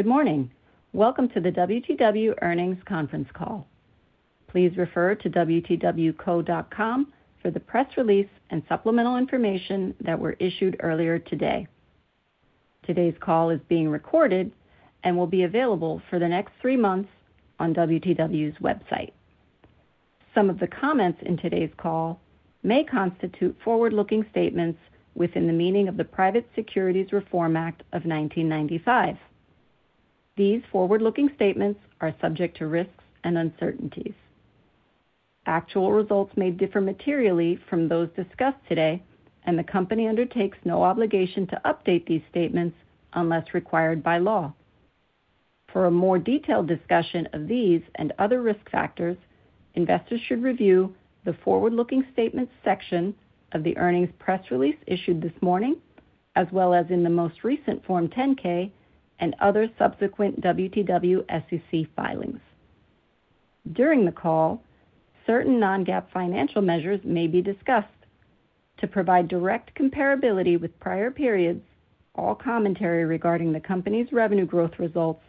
Good morning. Welcome to the WTW earnings conference call. Please refer to wtwco.com for the press release and supplemental information that were issued earlier today. Today's call is being recorded and will be available for the next three months on WTW's website. Some of the comments in today's call may constitute forward-looking statements within the meaning of the Private Securities Litigation Reform Act of 1995. These forward-looking statements are subject to risks and uncertainties. Actual results may differ materially from those discussed today, and the company undertakes no obligation to update these statements unless required by law. For a more detailed discussion of these and other risk factors, investors should review the Forward-Looking Statements section of the earnings press release issued this morning, as well as in the most recent Form 10-K and other subsequent WTW SEC filings. During the call, certain non-GAAP financial measures may be discussed. To provide direct comparability with prior periods, all commentary regarding the company's revenue growth results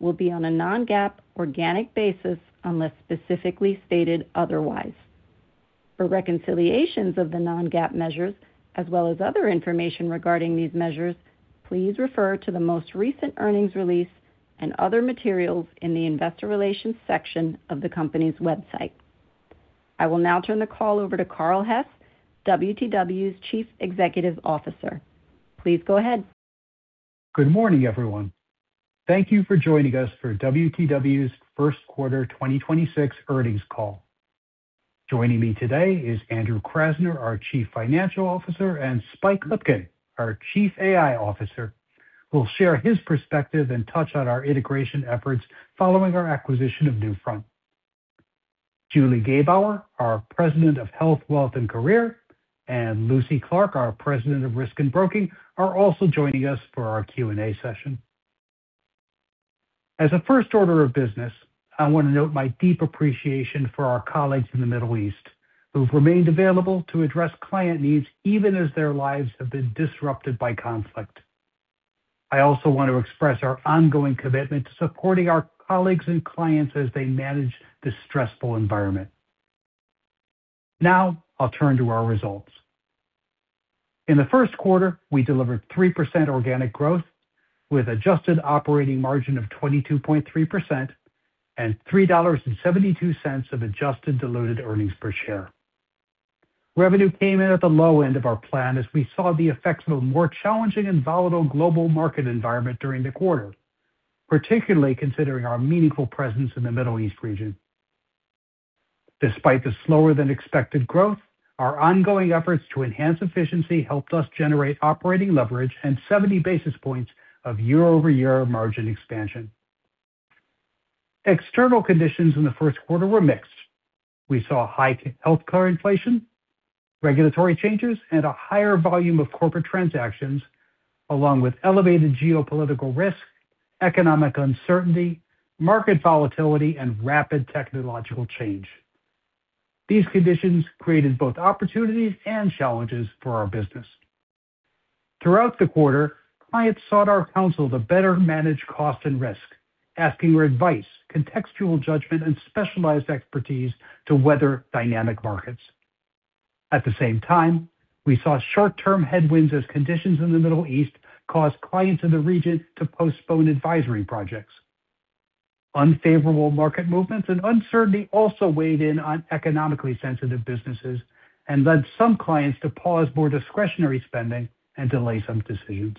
will be on a non-GAAP organic basis unless specifically stated otherwise. For reconciliations of the non-GAAP measures as well as other information regarding these measures, please refer to the most recent earnings release and other materials in the Investor Relations section of the company's website. I will now turn the call over to Carl Hess, WTW's Chief Executive Officer. Please go ahead. Good morning, everyone. Thank you for joining us for WTW's first quarter 2026 earnings call. Joining me today is Andrew Krasner, our Chief Financial Officer, and Spike Lipkin, our Chief AI Officer, who will share his perspective and touch on our integration efforts following our acquisition of Newfront. Julie Gebauer, our President of Health, Wealth & Career, and Lucy Clarke, our President of Risk & Broking, are also joining us for our Q&A session. As a first order of business, I want to note my deep appreciation for our colleagues in the Middle East who have remained available to address client needs even as their lives have been disrupted by conflict. I also want to express our ongoing commitment to supporting our colleagues and clients as they manage this stressful environment. Now I'll turn to our results. In the first quarter, we delivered 3% organic growth with adjusted operating margin of 22.3% and $3.72 of adjusted diluted earnings per share. Revenue came in at the low end of our plan as we saw the effects of a more challenging and volatile global market environment during the quarter, particularly considering our meaningful presence in the Middle East region. Despite the slower than expected growth, our ongoing efforts to enhance efficiency helped us generate operating leverage and 70 basis points of year-over-year margin expansion. External conditions in the first quarter were mixed. We saw high healthcare inflation, regulatory changes, and a higher volume of corporate transactions, along with elevated geopolitical risk, economic uncertainty, market volatility, and rapid technological change. These conditions created both opportunities and challenges for our business. Throughout the quarter, clients sought our counsel to better manage cost and risk, asking for advice, contextual judgment, and specialized expertise to weather dynamic markets. At the same time, we saw short-term headwinds as conditions in the Middle East caused clients in the region to postpone advisory projects. Unfavorable market movements and uncertainty also weighed in on economically sensitive businesses and led some clients to pause more discretionary spending and delay some decisions.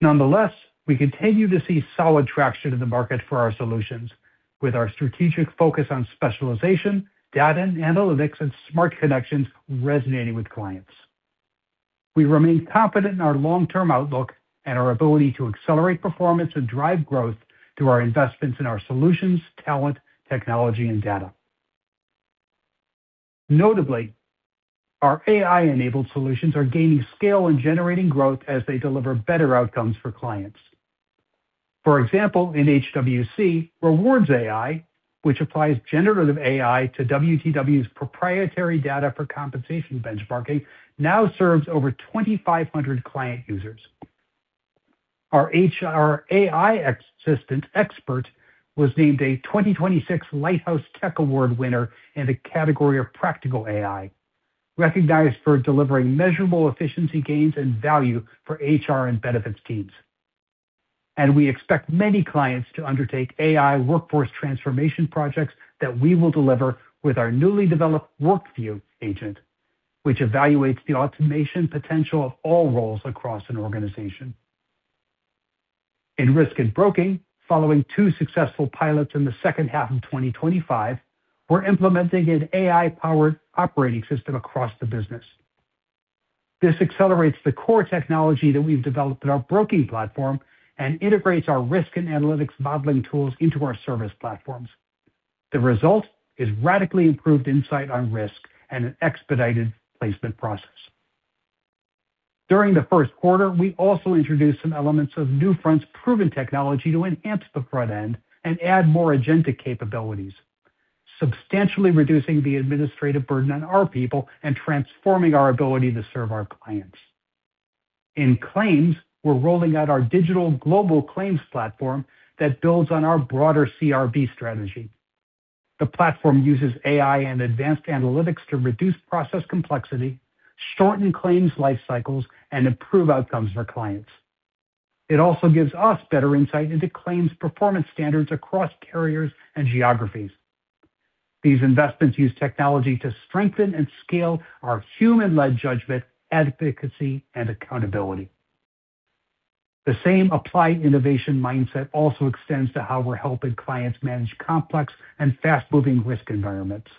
Nonetheless, we continue to see solid traction in the market for our solutions with our strategic focus on specialization, data analytics, and smart connections resonating with clients. We remain confident in our long-term outlook and our ability to accelerate performance and drive growth through our investments in our solutions, talent, technology, and data. Notably, our AI-enabled solutions are gaining scale and generating growth as they deliver better outcomes for clients. For example, in HWC, Rewards AI, which applies generative AI to WTW's proprietary data for compensation benchmarking, now serves over 2,500 client users. Our HR AI assistant Expert was named a 2026 Lighthouse Tech Award winner in the category of Practical AI, recognized for delivering measurable efficiency gains and value for HR and benefits teams. We expect many clients to undertake AI workforce transformation projects that we will deliver with our newly developed WorkVue agent, which evaluates the automation potential of all roles across an organization. In Risk & Broking, following two successful pilots in the second half of 2025, we're implementing an AI-powered operating system across the business. This accelerates the core technology that we've developed in our broking platform and integrates our risk and analytics modeling tools into our service platforms. The result is radically improved insight on risk and an expedited placement process. During the first quarter, we also introduced some elements of Newfront's proven technology to enhance the front end and add more agentic capabilities. Substantially reducing the administrative burden on our people and transforming our ability to serve our clients. In claims, we're rolling out our digital Global Claims platform that builds on our broader CRB strategy. The platform uses AI and advanced analytics to reduce process complexity, shorten claims life cycles, and improve outcomes for clients. It also gives us better insight into claims performance standards across carriers and geographies. These investments use technology to strengthen and scale our human-led judgment, efficacy, and accountability. The same applied innovation mindset also extends to how we're helping clients manage complex and fast-moving risk environments.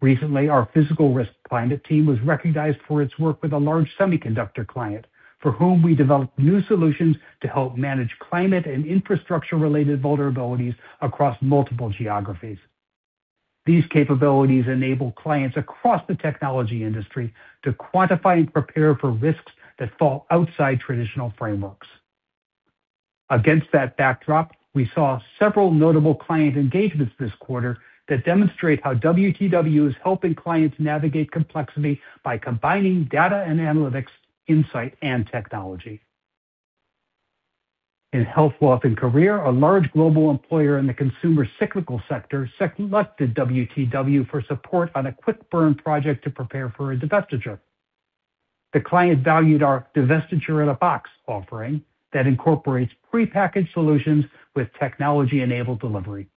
Recently, our physical risk climate team was recognized for its work with a large semiconductor client, for whom we developed new solutions to help manage climate and infrastructure-related vulnerabilities across multiple geographies. These capabilities enable clients across the technology industry to quantify and prepare for risks that fall outside traditional frameworks. Against that backdrop, we saw several notable client engagements this quarter that demonstrate how WTW is helping clients navigate complexity by combining data and analytics, insight, and technology. In Health, Wealth & Career, a large global employer in the consumer cyclical sector selected WTW for support on a quick burn project to prepare for a divestiture. The client valued our divestiture in a box offering that incorporates prepackaged solutions with technology-enabled delivery.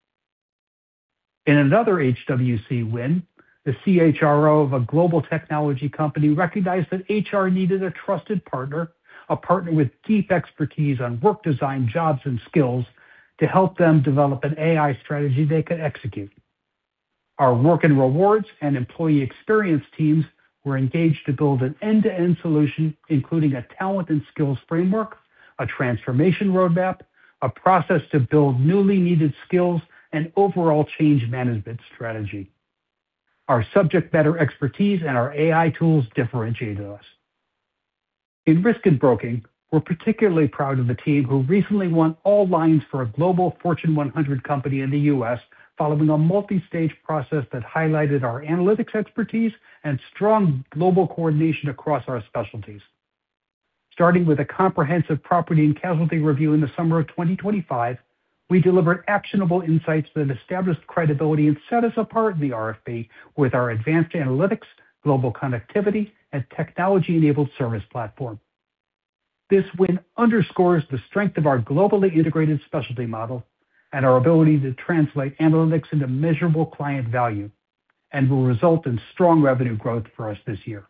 In another HWC win, the CHRO of a global technology company recognized that HR needed a trusted partner, a partner with deep expertise on work design jobs and skills to help them develop an AI strategy they could execute. Our work and rewards and employee experience teams were engaged to build an end-to-end solution, including a talent and skills framework, a transformation roadmap, a process to build newly needed skills, and overall change management strategy. Our subject matter expertise and our AI tools differentiated us. In Risk & Broking, we're particularly proud of the team who recently won all lines for a global Fortune 100 company in the U.S. following a multi-stage process that highlighted our analytics expertise and strong global coordination across our specialties. Starting with a comprehensive Property & Casualty review in the summer of 2025, we delivered actionable insights that established credibility and set us apart in the RFP with our advanced analytics, global connectivity, and technology-enabled service platform. This win underscores the strength of our globally integrated specialty model and our ability to translate analytics into measurable client value and will result in strong revenue growth for us this year.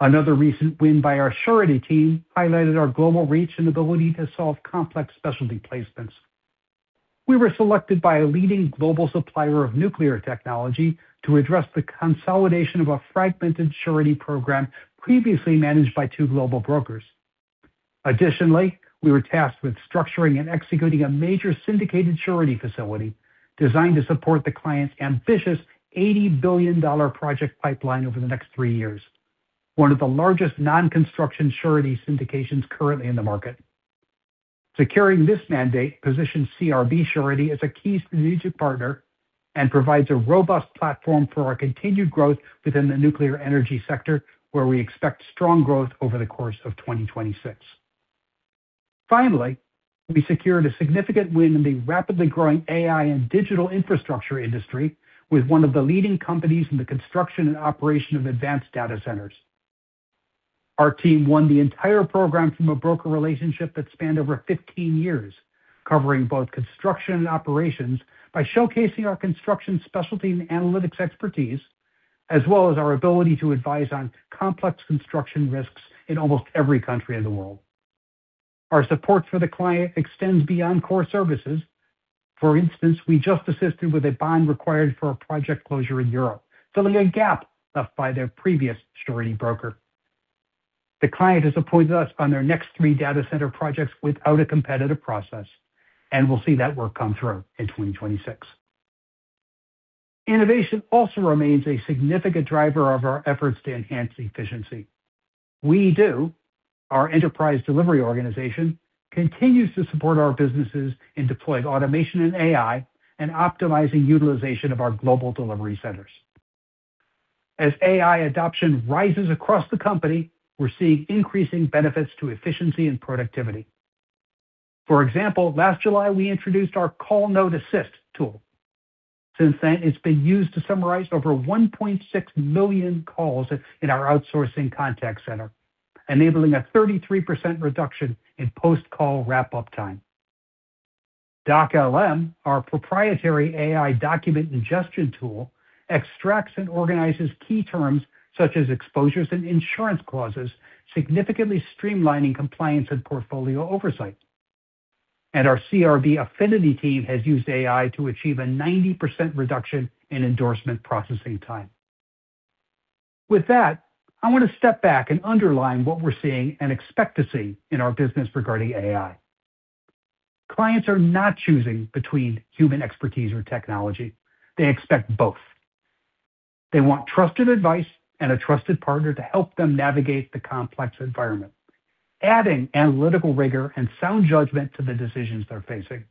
Another recent win by our Surety team highlighted our global reach and ability to solve complex specialty placements. We were selected by a leading global supplier of nuclear technology to address the consolidation of a fragmented Surety program previously managed by two global brokers. Additionally, we were tasked with structuring and executing a major syndicated surety facility designed to support the client's ambitious $80 billion project pipeline over the next three years, one of the largest non-construction surety syndications currently in the market. Securing this mandate positions CRB Surety as a key strategic partner and provides a robust platform for our continued growth within the nuclear energy sector, where we expect strong growth over the course of 2026. Finally, we secured a significant win in the rapidly growing AI and digital infrastructure industry with one of the leading companies in the construction and operation of advanced data centers. Our team won the entire program from a broker relationship that spanned over 15 years, covering both construction and operations by showcasing our construction specialty and analytics expertise, as well as our ability to advise on complex construction risks in almost every country in the world. Our support for the client extends beyond core services. For instance, we just assisted with a bond required for a project closure in Europe, filling a gap left by their previous surety broker. The client has appointed us on their next three data center projects without a competitive process, and we'll see that work come through in 2026. Innovation also remains a significant driver of our efforts to enhance efficiency. WeDo, our enterprise delivery organization, continues to support our businesses in deploying automation and AI and optimizing utilization of our global delivery centers. As AI adoption rises across the company, we're seeing increasing benefits to efficiency and productivity. For example, last July, we introduced our Call Note Assist tool. Since then, it's been used to summarize over 1.6 million calls in our outsourcing contact center, enabling a 33% reduction in post-call wrap-up time. Doc LM, our proprietary AI document ingestion tool, extracts and organizes key terms such as exposures and insurance clauses, significantly streamlining compliance and portfolio oversight. Our CRB Affinity team has used AI to achieve a 90% reduction in endorsement processing time. With that, I want to step back and underline what we're seeing and expect to see in our business regarding AI. Clients are not choosing between human expertise or technology. They expect both. They want trusted advice and a trusted partner to help them navigate the complex environment, adding analytical rigor and sound judgment to the decisions they're facing.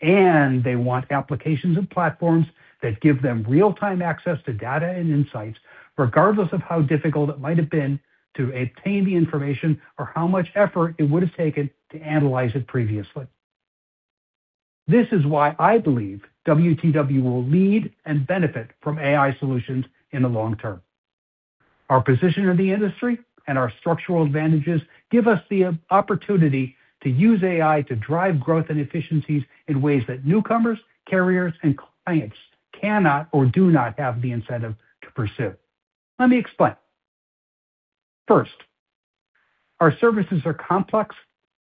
They want applications and platforms that give them real-time access to data and insights, regardless of how difficult it might have been to obtain the information or how much effort it would have taken to analyze it previously. This is why I believe WTW will lead and benefit from AI solutions in the long term. Our position in the industry and our structural advantages give us the opportunity to use AI to drive growth and efficiencies in ways that newcomers, carriers, and clients cannot or do not have the incentive to pursue. Let me explain. First, our services are complex,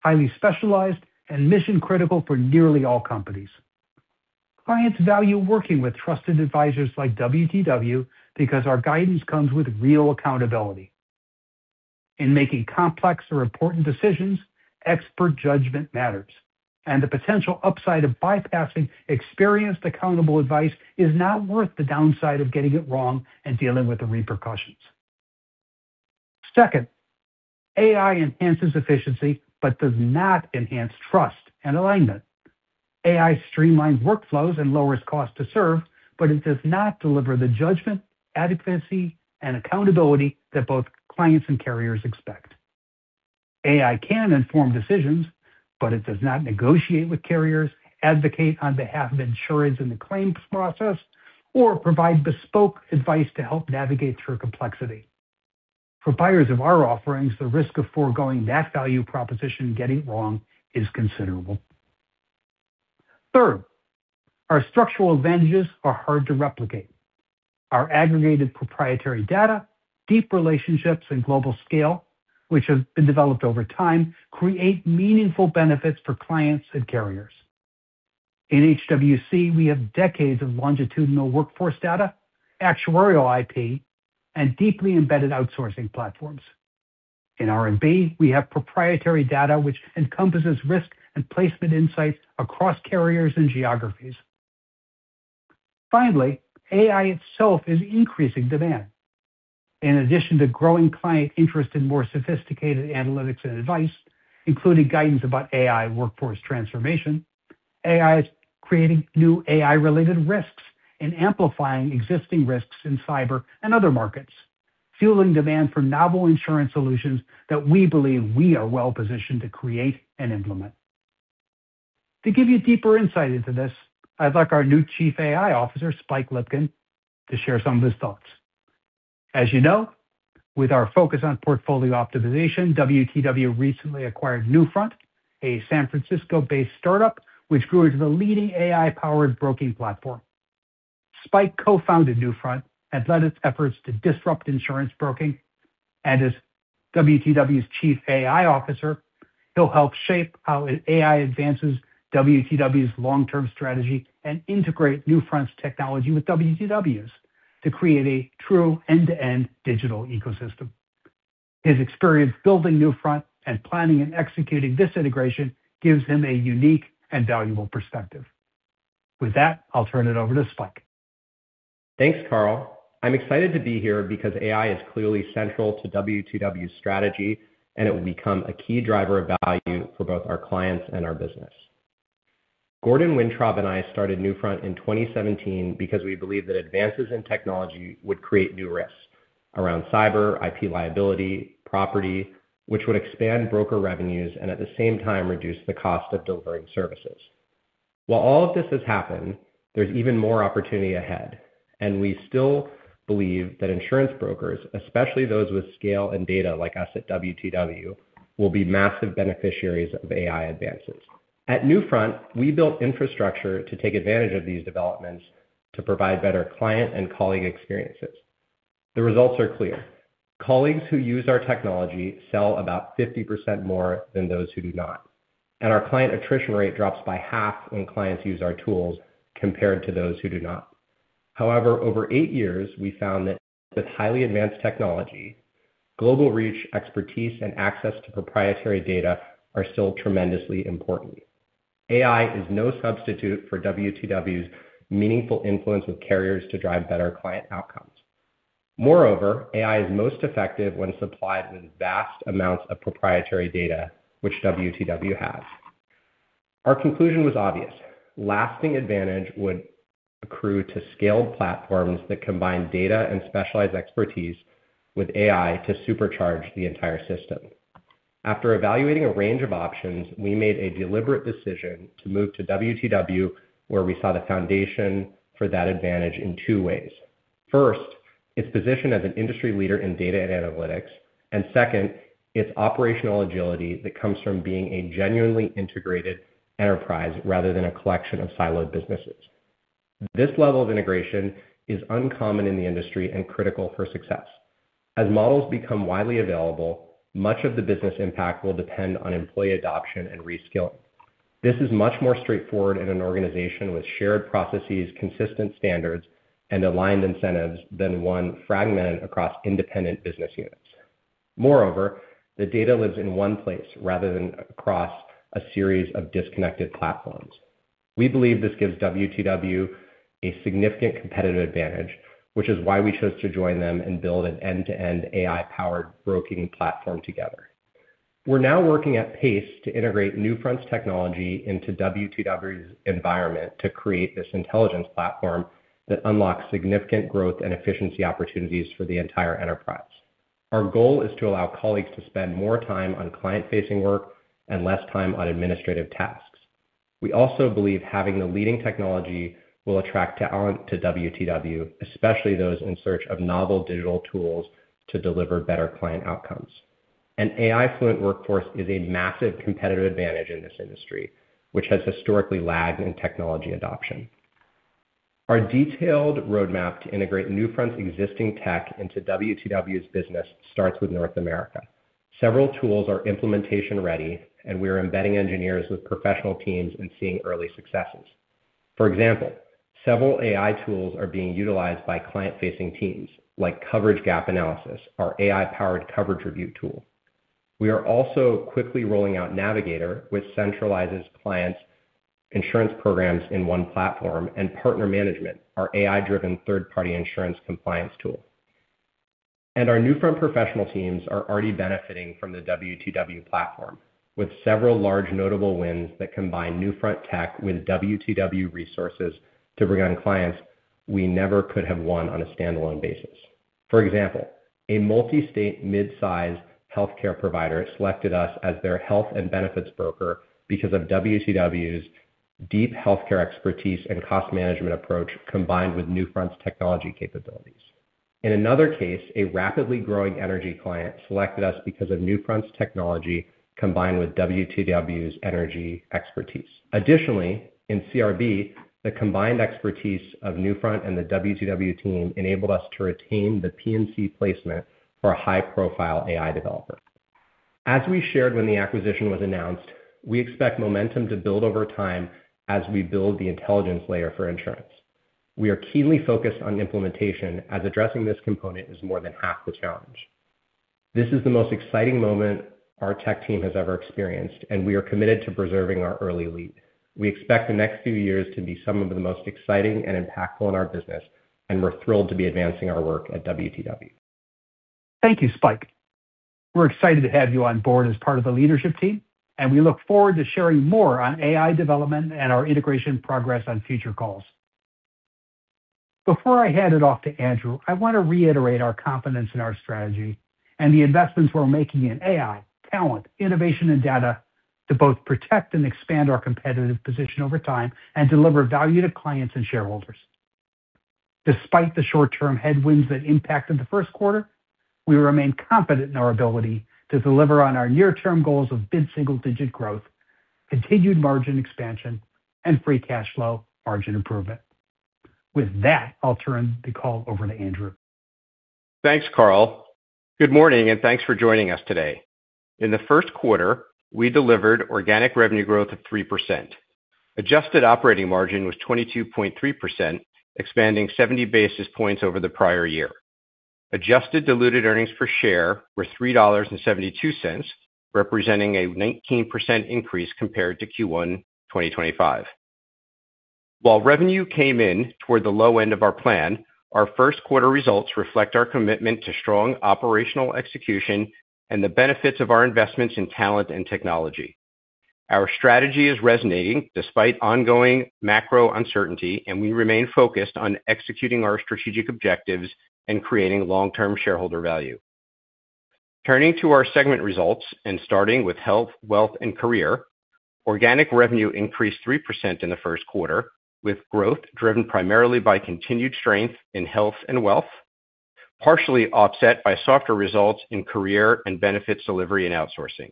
highly specialized, and mission-critical for nearly all companies. Clients value working with trusted advisors like WTW because our guidance comes with real accountability. In making complex or important decisions, expert judgment matters, and the potential upside of bypassing experienced, accountable advice is not worth the downside of getting it wrong and dealing with the repercussions. Second, AI enhances efficiency but does not enhance trust and alignment. AI streamlines workflows and lowers cost to serve, but it does not deliver the judgment, adequacy, and accountability that both clients and carriers expect. AI can inform decisions, but it does not negotiate with carriers, advocate on behalf of insureds in the claims process, or provide bespoke advice to help navigate through complexity. For buyers of our offerings, the risk of foregoing that value proposition and getting it wrong is considerable. Third, our structural advantages are hard to replicate. Our aggregated proprietary data, deep relationships, and global scale, which have been developed over time, create meaningful benefits for clients and carriers. In HWC, we have decades of longitudinal workforce data, actuarial IP, and deeply embedded outsourcing platforms. In R&B, we have proprietary data which encompasses risk and placement insights across carriers and geographies. Finally, AI itself is increasing demand. In addition to growing client interest in more sophisticated analytics and advice, including guidance about AI workforce transformation, AI is creating new AI-related risks and amplifying existing risks in cyber and other markets, fueling demand for novel insurance solutions that we believe we are well-positioned to create and implement. To give you deeper insight into this, I'd like our new Chief AI Officer, Spike Lipkin, to share some of his thoughts. As you know, with our focus on portfolio optimization, WTW recently acquired Newfront, a San Francisco-based startup which grew into the leading AI-powered broking platform. Spike co-founded Newfront and led its efforts to disrupt insurance broking. As WTW's Chief AI Officer, he'll help shape how AI advances WTW's long-term strategy and integrate Newfront's technology with WTW's to create a true end-to-end digital ecosystem. His experience building Newfront and planning and executing this integration gives him a unique and valuable perspective. With that, I'll turn it over to Spike. Thanks, Carl Hess. I'm excited to be here because AI is clearly central to WTW's strategy, and it will become a key driver of value for both our clients and our business. Gordon Wintrob and I started Newfront in 2017 because we believed that advances in technology would create new risks around cyber, IP liability, property, which would expand broker revenues and at the same time reduce the cost of delivering services. While all of this has happened, there's even more opportunity ahead, and we still believe that insurance brokers, especially those with scale and data like us at WTW, will be massive beneficiaries of AI advances. At Newfront, we built infrastructure to take advantage of these developments to provide better client and colleague experiences. The results are clear. Colleagues who use our technology sell about 50% more than those who do not, and our client attrition rate drops by half when clients use our tools compared to those who do not. Over eight years, we found that with highly advanced technology, global reach, expertise, and access to proprietary data are still tremendously important. AI is no substitute for WTW's meaningful influence with carriers to drive better client outcomes. AI is most effective when supplied with vast amounts of proprietary data, which WTW has. Our conclusion was obvious. Lasting advantage would accrue to scaled platforms that combine data and specialized expertise with AI to supercharge the entire system. After evaluating a range of options, we made a deliberate decision to move to WTW, where we saw the foundation for that advantage in two ways. First, its position as an industry leader in data and analytics, and second, its operational agility that comes from being a genuinely integrated enterprise rather than a collection of siloed businesses. This level of integration is uncommon in the industry and critical for success. As models become widely available, much of the business impact will depend on employee adoption and reskilling. This is much more straightforward in an organization with shared processes, consistent standards, and aligned incentives than one fragmented across independent business units. The data lives in one place rather than across a series of disconnected platforms. We believe this gives WTW a significant competitive advantage, which is why we chose to join them and build an end-to-end AI-powered brokering platform together. We're now working at pace to integrate Newfront's technology into WTW's environment to create this intelligence platform that unlocks significant growth and efficiency opportunities for the entire enterprise. Our goal is to allow colleagues to spend more time on client-facing work and less time on administrative tasks. We also believe having the leading technology will attract talent to WTW, especially those in search of novel digital tools to deliver better client outcomes. An AI-fluent workforce is a massive competitive advantage in this industry, which has historically lagged in technology adoption. Our detailed roadmap to integrate Newfront's existing tech into WTW's business starts with North America. Several tools are implementation-ready, and we are embedding engineers with professional teams and seeing early successes. For example, several AI tools are being utilized by client-facing teams, like Coverage Gap Analysis, our AI-powered coverage review tool. We are also quickly rolling out Navigator, which centralizes clients' insurance programs in one platform, and Partner Management, our AI-driven third-party insurance compliance tool. Our Newfront professional teams are already benefiting from the WTW platform, with several large notable wins that combine Newfront tech with WTW resources to bring on clients we never could have won on a standalone basis. For example, a multi-state mid-size healthcare provider selected us as their health and benefits broker because of WTW's deep healthcare expertise and cost management approach combined with Newfront's technology capabilities. In another case, a rapidly growing energy client selected us because of Newfront's technology combined with WTW's energy expertise. Additionally, in CRB, the combined expertise of Newfront and the WTW team enabled us to retain the P&C placement for a high-profile AI developer. As we shared when the acquisition was announced, we expect momentum to build over time as we build the intelligence layer for insurance. We are keenly focused on implementation, as addressing this component is more than half the challenge. This is the most exciting moment our tech team has ever experienced, and we are committed to preserving our early lead. We expect the next few years to be some of the most exciting and impactful in our business, and we're thrilled to be advancing our work at WTW. Thank you, Spike. We're excited to have you on board as part of the leadership team, and we look forward to sharing more on AI development and our integration progress on future calls. Before I hand it off to Andrew, I want to reiterate our confidence in our strategy and the investments we're making in AI, talent, innovation, and data to both protect and expand our competitive position over time and deliver value to clients and shareholders. Despite the short-term headwinds that impacted the first quarter, we remain confident in our ability to deliver on our near-term goals of mid-single-digit growth, continued margin expansion, and free cash flow margin improvement. With that, I'll turn the call over to Andrew. Thanks, Carl. Good morning. Thanks for joining us today. In the first quarter, we delivered organic revenue growth of 3%. Adjusted operating margin was 22.3%, expanding 70 basis points over the prior year. Adjusted diluted earnings per share were $3.72, representing a 19% increase compared to Q1 2025. While revenue came in toward the low end of our plan, our first quarter results reflect our commitment to strong operational execution and the benefits of our investments in talent and technology. Our strategy is resonating despite ongoing macro uncertainty. We remain focused on executing our strategic objectives and creating long-term shareholder value. Turning to our segment results and starting with Health, Wealth & Career, organic revenue increased 3% in the first quarter, with growth driven primarily by continued strength in Health and Wealth, partially offset by softer results in career and benefits delivery and outsourcing.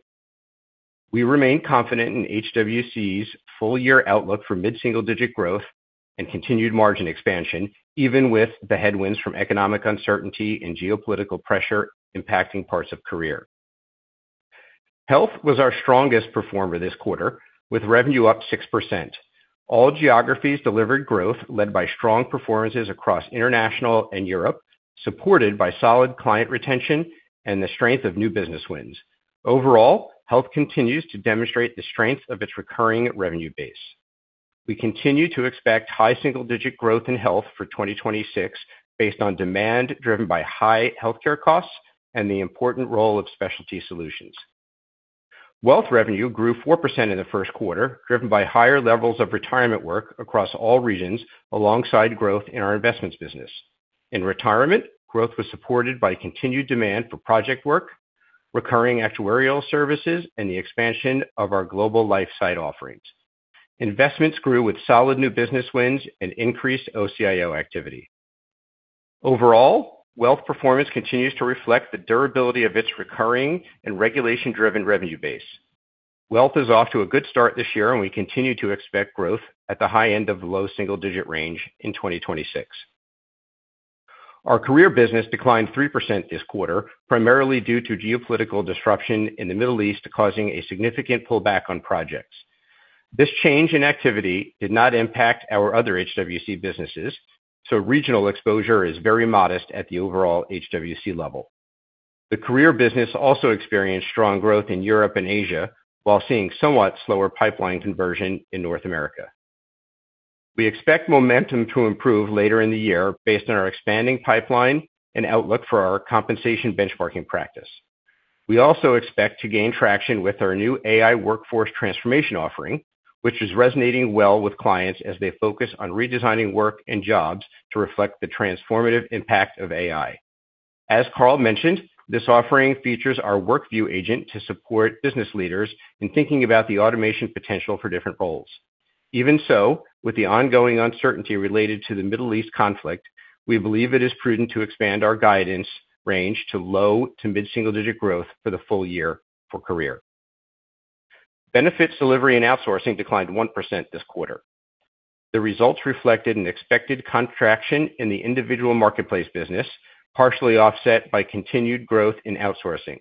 We remain confident in HWC's full-year outlook for mid-single-digit growth and continued margin expansion, even with the headwinds from economic uncertainty and geopolitical pressure impacting parts of career. Health was our strongest performer this quarter, with revenue up 6%. All geographies delivered growth led by strong performances across international and Europe, supported by solid client retention and the strength of new business wins. Overall, Health continues to demonstrate the strength of its recurring revenue base. We continue to expect high single-digit growth in Health for 2026 based on demand driven by high healthcare costs and the important role of specialty solutions. Wealth revenue grew 4% in the first quarter, driven by higher levels of retirement work across all regions alongside growth in our investments business. In retirement, growth was supported by continued demand for project work, recurring actuarial services, and the expansion of our global life site offerings. Investments grew with solid new business wins and increased OCIO activity. Overall, wealth performance continues to reflect the durability of its recurring and regulation-driven revenue base. Wealth is off to a good start this year. We continue to expect growth at the high end of the low single-digit range in 2026. Our career business declined 3% this quarter, primarily due to geopolitical disruption in the Middle East causing a significant pullback on projects. This change in activity did not impact our other HWC businesses. Regional exposure is very modest at the overall HWC level. The career business also experienced strong growth in Europe and Asia while seeing somewhat slower pipeline conversion in North America. We expect momentum to improve later in the year based on our expanding pipeline and outlook for our compensation benchmarking practice. We also expect to gain traction with our new AI workforce transformation offering, which is resonating well with clients as they focus on redesigning work and jobs to reflect the transformative impact of AI. As Carl mentioned, this offering features our WorkVue agent to support business leaders in thinking about the automation potential for different roles. Even so, with the ongoing uncertainty related to the Middle East conflict, we believe it is prudent to expand our guidance range to low to mid-single digit growth for the full year for career. Benefits delivery and outsourcing declined 1% this quarter. The results reflected an expected contraction in the individual marketplace business, partially offset by continued growth in outsourcing.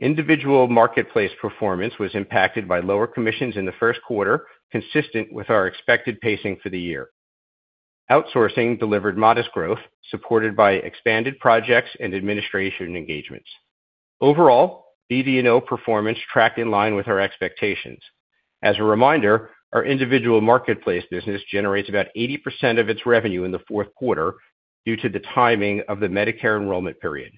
Individual marketplace performance was impacted by lower commissions in the first quarter, consistent with our expected pacing for the year. Outsourcing delivered modest growth supported by expanded projects and administration engagements. Overall, BD&O performance tracked in line with our expectations. As a reminder, our individual marketplace business generates about 80% of its revenue in the fourth quarter due to the timing of the Medicare enrollment period.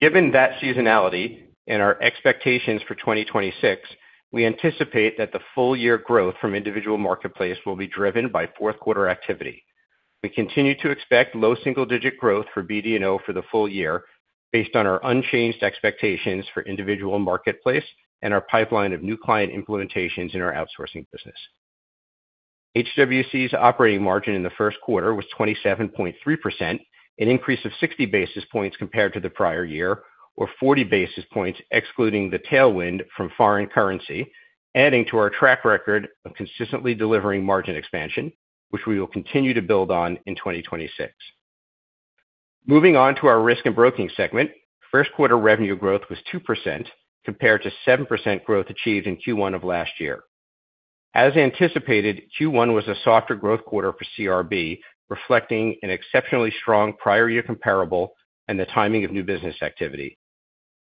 Given that seasonality and our expectations for 2026, we anticipate that the full year growth from individual marketplace will be driven by fourth quarter activity. We continue to expect low single-digit growth for BD&O for the full year based on our unchanged expectations for individual marketplace and our pipeline of new client implementations in our outsourcing business. HWC's operating margin in the first quarter was 27.3%, an increase of 60 basis points compared to the prior year or 40 basis points excluding the tailwind from foreign currency, adding to our track record of consistently delivering margin expansion, which we will continue to build on in 2026. Moving on to our Risk & Broking segment. First quarter revenue growth was 2% compared to 7% growth achieved in Q1 of last year. As anticipated, Q1 was a softer growth quarter for CRB, reflecting an exceptionally strong prior year comparable and the timing of new business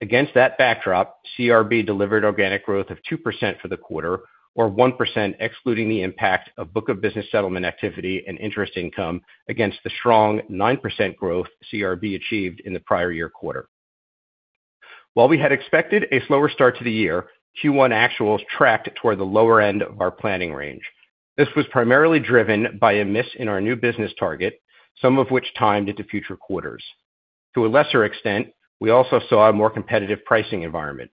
activity. Against that backdrop, CRB delivered organic growth of 2% for the quarter or 1% excluding the impact of book of business settlement activity and interest income against the strong 9% growth CRB achieved in the prior year quarter. While we had expected a slower start to the year, Q1 actuals tracked toward the lower end of our planning range. This was primarily driven by a miss in our new business target, some of which timed into future quarters. To a lesser extent, we also saw a more competitive pricing environment.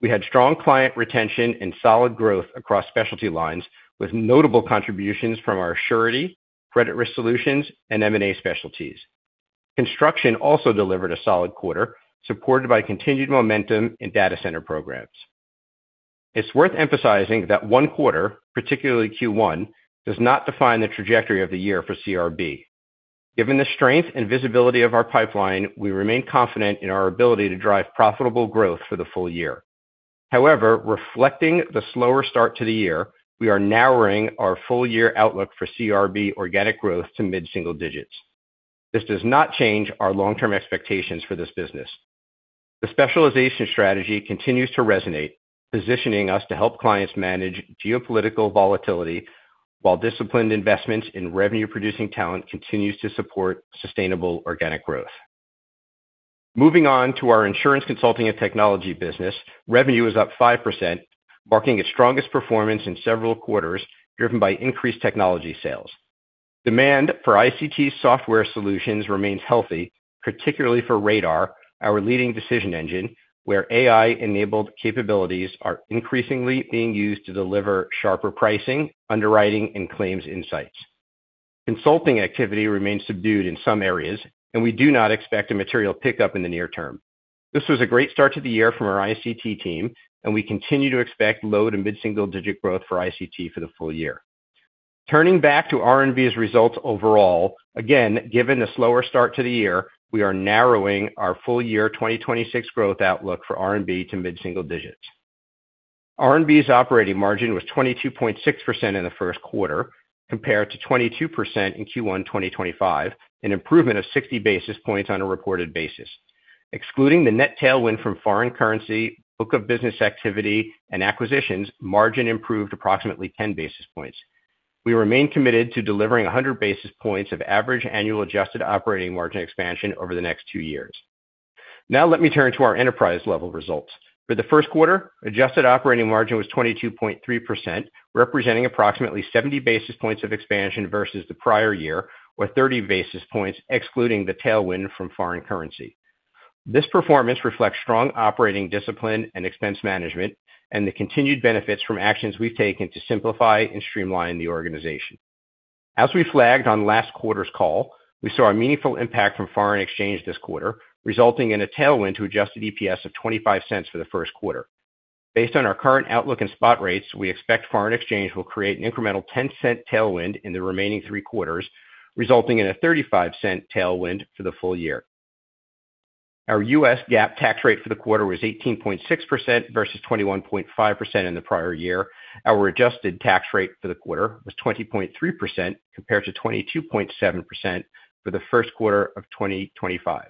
We had strong client retention and solid growth across specialty lines, with notable contributions from our surety, credit risk solutions, and M&A specialties. Construction also delivered a solid quarter, supported by continued momentum in data center programs. It's worth emphasizing that one quarter, particularly Q1, does not define the trajectory of the year for CRB. Given the strength and visibility of our pipeline, we remain confident in our ability to drive profitable growth for the full year. However, reflecting the slower start to the year, we are narrowing our full year outlook for CRB organic growth to mid-single digits. This does not change our long-term expectations for this business. The specialization strategy continues to resonate, positioning us to help clients manage geopolitical volatility while disciplined investments in revenue-producing talent continues to support sustainable organic growth. Moving on to our Insurance Consulting and Technology business. Revenue is up 5%, marking its strongest performance in several quarters, driven by increased technology sales. Demand for ICT software solutions remains healthy, particularly for Radar, our leading decision engine, where AI-enabled capabilities are increasingly being used to deliver sharper pricing, underwriting, and claims insights. Consulting activity remains subdued in some areas, and we do not expect a material pickup in the near term. This was a great start to the year from our ICT team, and we continue to expect low to mid-single digit growth for ICT for the full year. Turning back to R&B's results overall, again, given the slower start to the year, we are narrowing our full year 2026 growth outlook for R&B to mid-single digits. R&B's operating margin was 22.6% in the first quarter compared to 22% in Q1 2025, an improvement of 60 basis points on a reported basis. Excluding the net tailwind from foreign currency, book of business activity, and acquisitions, margin improved approximately 10 basis points. We remain committed to delivering 100 basis points of average annual adjusted operating margin expansion over the next two years. Now let me turn to our enterprise level results. For the first quarter, adjusted operating margin was 22.3%, representing approximately 70 basis points of expansion versus the prior year or 30 basis points excluding the tailwind from foreign currency. This performance reflects strong operating discipline and expense management and the continued benefits from actions we've taken to simplify and streamline the organization. As we flagged on last quarter's call, we saw a meaningful impact from foreign exchange this quarter, resulting in a tailwind to adjusted EPS of $0.25 for the first quarter. Based on our current outlook and spot rates, we expect foreign exchange will create an incremental $0.10 tailwind in the remaining three quarters, resulting in a $0.35 tailwind for the full year. Our U.S. GAAP tax rate for the quarter was 18.6% versus 21.5% in the prior year. Our adjusted tax rate for the quarter was 20.3% compared to 22.7% for the first quarter of 2025.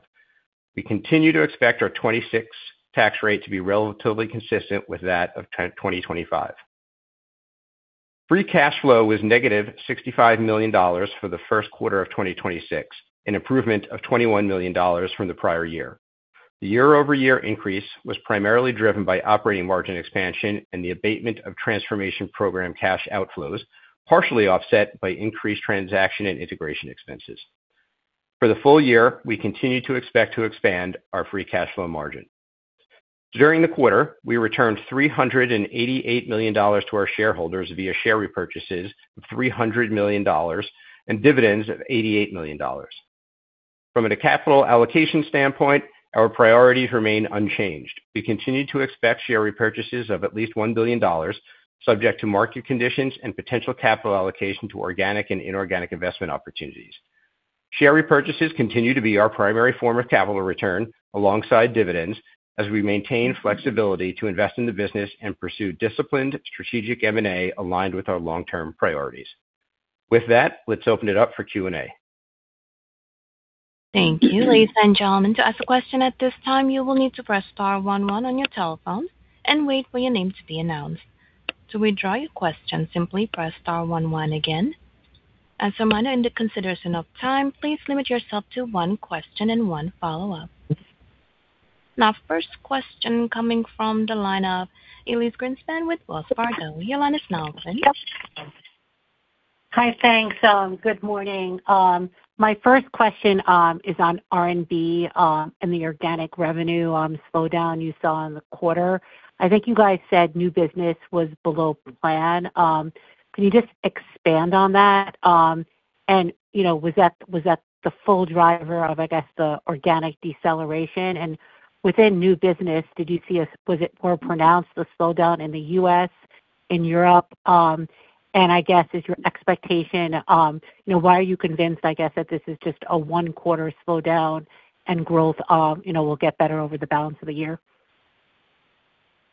We continue to expect our 2026 tax rate to be relatively consistent with that of 2025. Free cash flow was -$65 million for the first quarter of 2026, an improvement of $21 million from the prior year. The year-over-year increase was primarily driven by operating margin expansion and the abatement of transformation program cash outflows, partially offset by increased transaction and integration expenses. For the full year, we continue to expect to expand our free cash flow margin. During the quarter, we returned $388 million to our shareholders via share repurchases of $300 million and dividends of $88 million. From a capital allocation standpoint, our priorities remain unchanged. We continue to expect share repurchases of at least $1 billion subject to market conditions and potential capital allocation to organic and inorganic investment opportunities. Share repurchases continue to be our primary form of capital return alongside dividends as we maintain flexibility to invest in the business and pursue disciplined strategic M&A aligned with our long-term priorities. With that, let's open it up for Q&A. Thank you. Ladies and gentlemen, to ask a question at this time, you will need to press star one one on your telephone and wait for your name to be announced. To withdraw your question, simply press star one one again. As a reminder, in the consideration of time, please limit yourself to one question and one follow-up. Now first question coming from the line of Elyse Greenspan with Wells Fargo. Elyse Greenspan. Hi. Thanks. Good morning. My first question is on R&B and the organic revenue slowdown you saw in the quarter. I think you guys said new business was below plan. Can you just expand on that? And, you know, was that the full driver of, I guess, the organic deceleration? And within new business, did you see, was it more pronounced, the slowdown in the U.S., in Europe? And I guess is your expectation, you know, why are you convinced, I guess, that this is just a one-quarter slowdown and growth, you know, will get better over the balance of the year?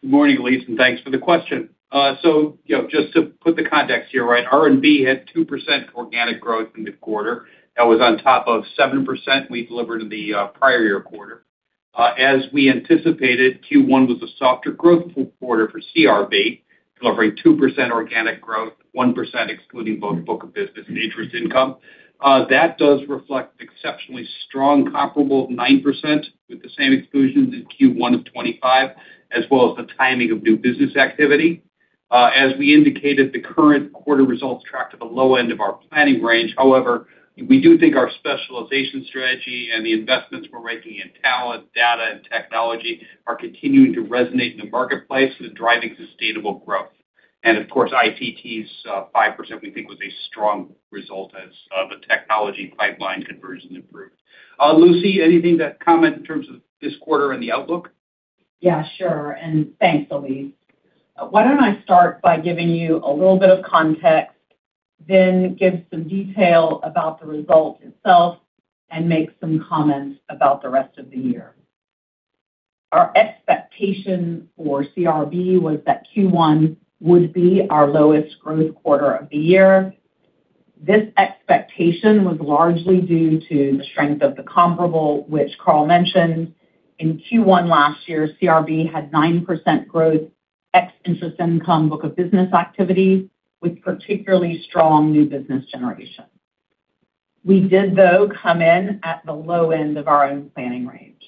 Good morning, Elyse, thanks for the question. You know, just to put the context here right, R&B had 2% organic growth in the quarter. That was on top of 7% we delivered in the prior year quarter. As we anticipated, Q1 was a softer growth quarter for CRB, delivering 2% organic growth, 1% excluding both book of business and interest income. That does reflect exceptionally strong comparable 9% with the same exclusions in Q1 of 2025 as well as the timing of new business activity. As we indicated, the current quarter results tracked at the low end of our planning range. However, we do think our specialization strategy and the investments we're making in talent, data, and technology are continuing to resonate in the marketplace and driving sustainable growth. Of course, ICT's, 5% we think was a strong result as, the technology pipeline conversion improved. Lucy, anything to comment in terms of this quarter and the outlook? Yeah, sure. Thanks, Elyse. Why don't I start by giving you a little bit of context, then give some detail about the result itself and make some comments about the rest of the year. Our expectation for CRB was that Q1 would be our lowest growth quarter of the year. This expectation was largely due to the strength of the comparable, which Carl mentioned. In Q1 last year, CRB had 9% growth ex-interest income book of business activity with particularly strong new business generation. We did, though, come in at the low end of our own planning range.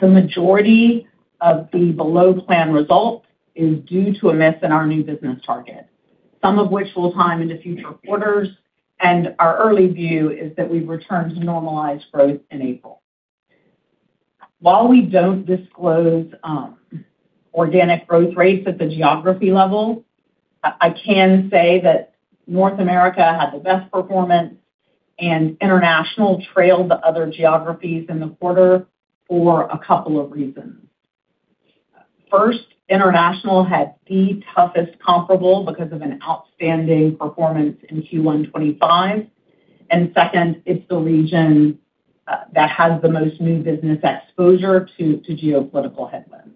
The majority of the below-plan result is due to a miss in our new business target, some of which will time into future quarters, and our early view is that we've returned to normalized growth in April. While we don't disclose organic growth rates at the geography level, I can say that North America had the best performance and international trailed the other geographies in the quarter for a couple of reasons. First, international had the toughest comparable because of an outstanding performance in Q1 2025. Second, it's the region that has the most new business exposure to geopolitical headwinds.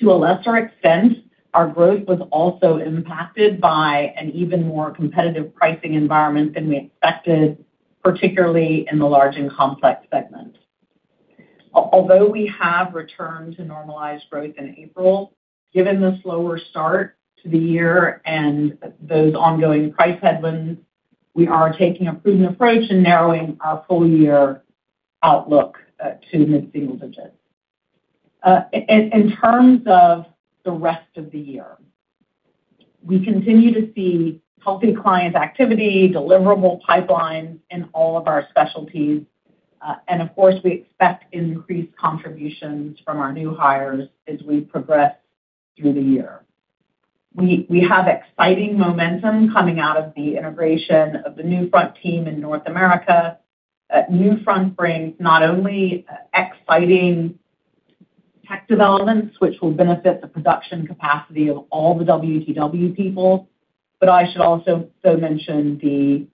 To a lesser extent, our growth was also impacted by an even more competitive pricing environment than we expected, particularly in the large and complex segments. Although we have returned to normalized growth in April, given the slower start to the year and those ongoing price headwinds, we are taking a prudent approach in narrowing our full-year outlook to mid-single digits. In terms of the rest of the year, we continue to see healthy client activity, deliverable pipelines in all of our specialties. Of course, we expect increased contributions from our new hires as we progress through the year. We have exciting momentum coming out of the integration of the Newfront team in North America. Newfront brings not only exciting tech developments which will benefit the production capacity of all the WTW people. I should also mention the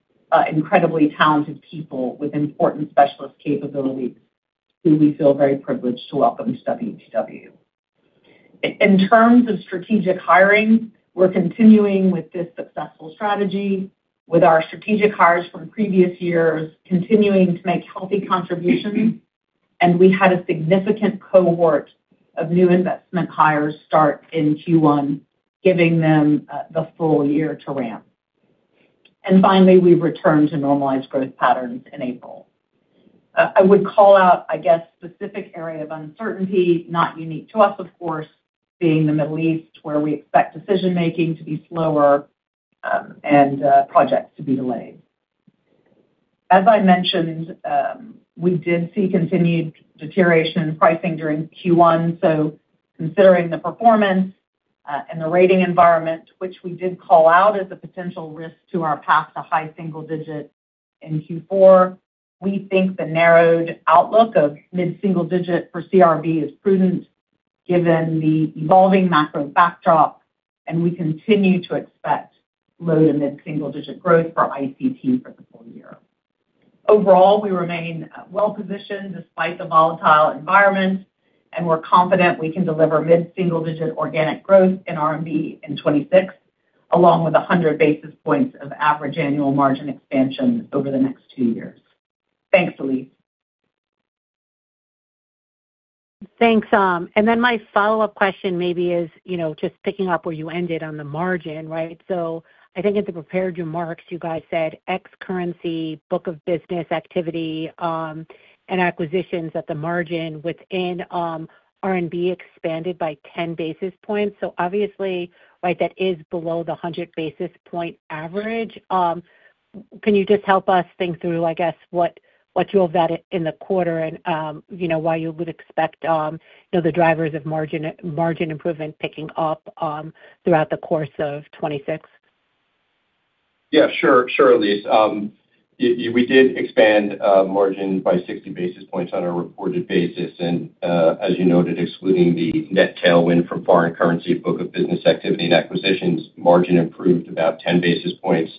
incredibly talented people with important specialist capabilities who we feel very privileged to welcome to WTW. In terms of strategic hiring, we're continuing with this successful strategy with our strategic hires from previous years continuing to make healthy contributions. We had a significant cohort of new investment hires start in Q1, giving them the full year to ramp. Finally, we returned to normalized growth patterns in April. I would call out, I guess, specific area of uncertainty, not unique to us, of course, being the Middle East, where we expect decision-making to be slower, and projects to be delayed. As I mentioned, we did see continued deterioration in pricing during Q1. Considering the performance, and the rating environment, which we did call out as a potential risk to our path to high single-digit in Q4, we think the narrowed outlook of mid-single-digit for CRB is prudent given the evolving macro backdrop, and we continue to expect low to mid-single-digit growth for ICT for the full year. Overall, we remain well-positioned despite the volatile environment, and we're confident we can deliver mid-single digit organic growth in R&B in 2026, along with 100 basis points of average annual margin expansion over the next two years. Thanks, Elyse. Thanks. My follow-up question maybe is, you know, just picking up where you ended on the margin, right? In the prepared remarks you guys said ex currency book of business activity and acquisitions at the margin within R&B expanded by 10 basis points. Obviously, right, that is below the 100 basis point average. Can you just help us think through, I guess, what you have vetted in the quarter and, you know, why you would expect, you know, the drivers of margin improvement picking up throughout the course of 2026? Sure. Sure, Elyse. We did expand margin by 60 basis points on a reported basis. As you noted, excluding the net tailwind from foreign currency book of business activity and acquisitions, margin improved about 10 basis points.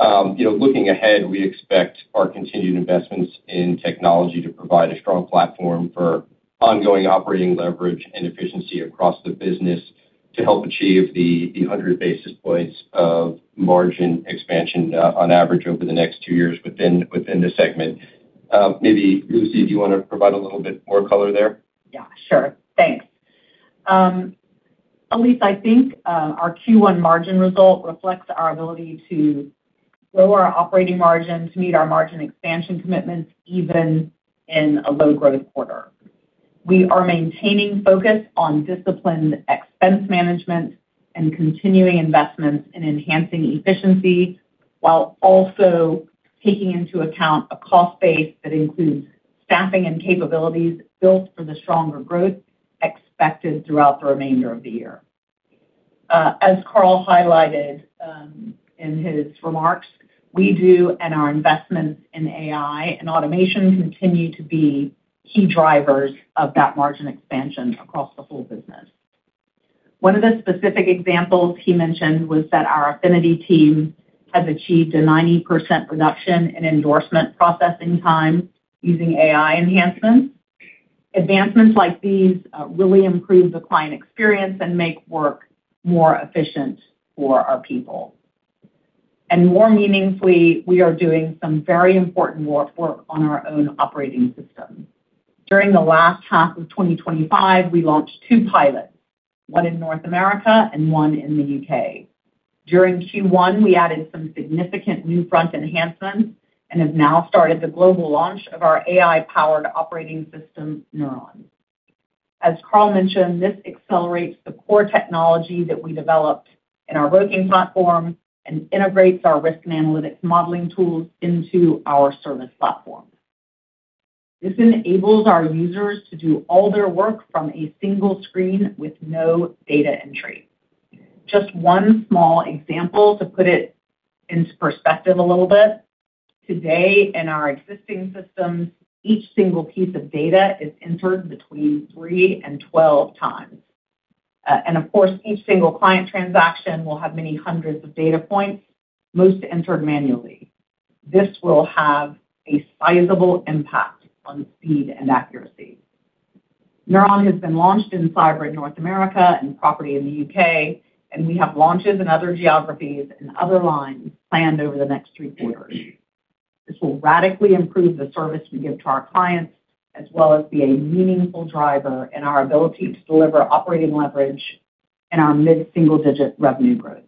You know, looking ahead, we expect our continued investments in technology to provide a strong platform for ongoing operating leverage and efficiency across the business to help achieve the 100 basis points of margin expansion on average over the next two years within the segment. Maybe, Lucy, do you want to provide a little bit more color there? Sure. Thanks. Elyse, I think our Q1 margin result reflects our ability to grow our operating margin to meet our margin expansion commitments, even in a low-growth quarter. We are maintaining focus on disciplined expense management and continuing investments in enhancing efficiency, while also taking into account a cost base that includes staffing and capabilities built for the stronger growth expected throughout the remainder of the year. As Carl highlighted, in his remarks, we do and our investments in AI and automation continue to be key drivers of that margin expansion across the whole business. One of the specific examples he mentioned was that our affinity team has achieved a 90% reduction in endorsement processing time using AI enhancements. Advancements like these, really improve the client experience and make work more efficient for our people. More meaningfully, we are doing some very important work on our own operating system. During the last half of 2025, we launched two pilots, one in North America and one in the U.K. During Q1, we added some significant Newfront enhancements and have now started the global launch of our AI-powered operating system, Neuron. As Carl mentioned, this accelerates the core technology that we developed in our broking platform and integrates our risk and analytics modeling tools into our service platform. This enables our users to do all their work from a single screen with no data entry. Just one small example to put it into perspective a little bit. Today in our existing systems, each single piece of data is entered between 3 and 12 times. Of course, each single client transaction will have many hundreds of data points, most entered manually. This will have a sizable impact on speed and accuracy. Neuron has been launched in cyber in North America and property in the U.K., and we have launches in other geographies and other lines planned over the next three quarters. This will radically improve the service we give to our clients, as well as be a meaningful driver in our ability to deliver operating leverage and our mid-single-digit revenue growth.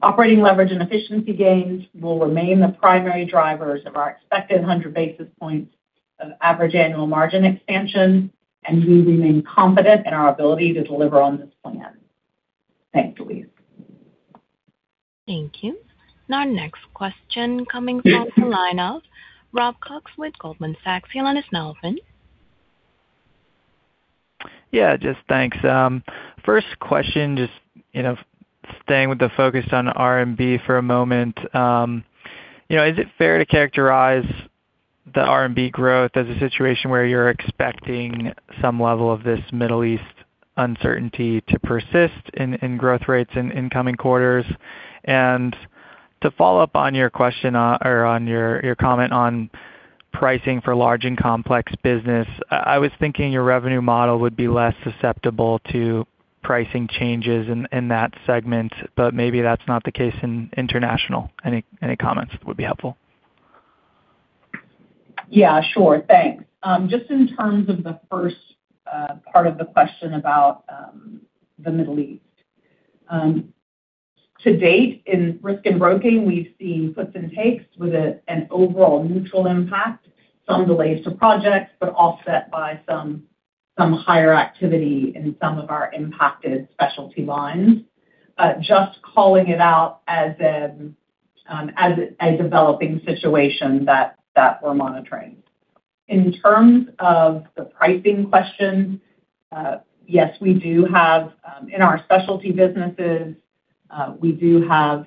Operating leverage and efficiency gains will remain the primary drivers of our expected 100 basis points of average annual margin expansion, and we remain confident in our ability to deliver on this plan. Thanks, Elyse. Thank you. Our next question coming from the line of Robert Cox with Goldman Sachs. You may now ask. Just thanks. First question, just, you know, staying with the focus on R&B for a moment, you know, is it fair to characterize the R&B growth as a situation where you're expecting some level of this Middle East uncertainty to persist in growth rates in incoming quarters? To follow up on your question or on your comment on pricing for large and complex business, I was thinking your revenue model would be less susceptible to pricing changes in that segment, but maybe that's not the case in international. Any comments would be helpful. Yeah, sure. Thanks. Just in terms of the first part of the question about the Middle East. To date in Risk & Broking, we've seen puts and takes with an overall neutral impact, some delays to projects, but offset by some higher activity in some of our impacted specialty lines. Just calling it out as a developing situation that we're monitoring. In terms of the pricing question, yes, we do have in our specialty businesses, we do have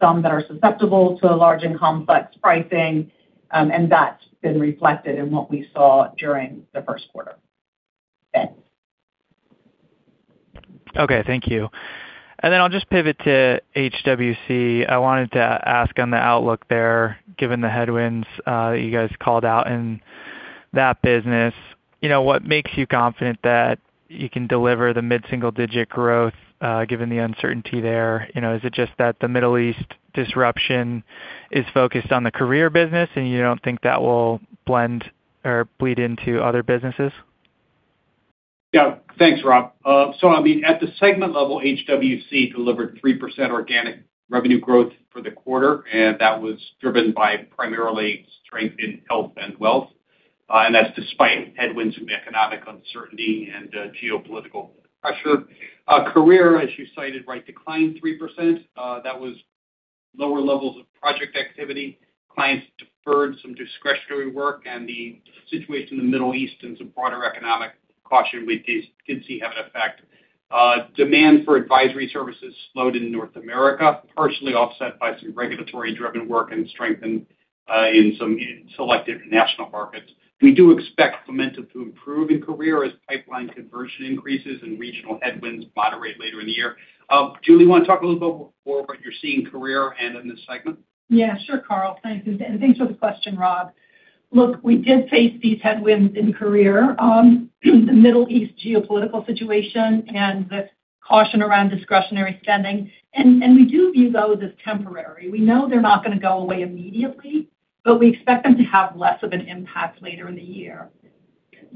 some that are susceptible to a large and complex pricing, and that's been reflected in what we saw during the first quarter. Thanks. Okay. Thank you. Then I'll just pivot to HWC. I wanted to ask on the outlook there, given the headwinds, you guys called out in that business, you know, what makes you confident that you can deliver the mid-single-digit growth, given the uncertainty there? You know, is it just that the Middle East disruption is focused on the Career business and you don't think that will blend or bleed into other businesses? Thanks, Rob. At the segment level, HWC delivered 3% organic revenue growth for the quarter, that was driven by primarily strength in Health and Wealth. That's despite headwinds from economic uncertainty and geopolitical pressure. Career, as you cited, right, declined 3%. That was lower levels of project activity. Clients deferred some discretionary work and the situation in the Middle East and some broader economic caution we did see have an effect. Demand for advisory services slowed in North America, partially offset by some regulatory-driven work and strengthened in some selected international markets. We do expect momentum to improve in Career as pipeline conversion increases and regional headwinds moderate later in the year. Julie, you want to talk a little bit more what you're seeing Career and in this segment? Yeah, sure, Carl. Thanks. Thanks for the question, Rob. Look, we did face these headwinds in Career, the Middle East geopolitical situation and the caution around discretionary spending. We do view those as temporary. We know they're not gonna go away immediately, but we expect them to have less of an impact later in the year.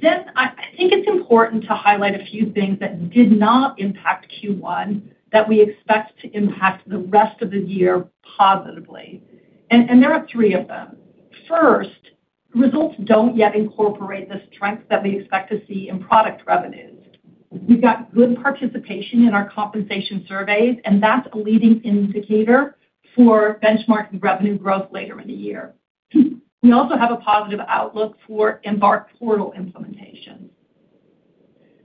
I think it's important to highlight a few things that did not impact Q1 that we expect to impact the rest of the year positively. There are three of them. First, results don't yet incorporate the strength that we expect to see in product revenues. We've got good participation in our compensation surveys, and that's a leading indicator for benchmarking revenue growth later in the year. We also have a positive outlook for Embark portal implementation.